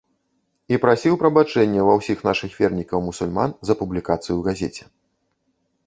І прасіў прабачэння ва ўсіх нашых вернікаў мусульман за публікацыю ў газеце.